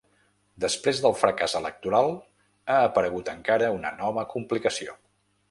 Després del fracàs electoral ha aparegut encara una nova complicació.